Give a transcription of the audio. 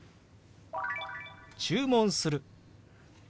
注文する。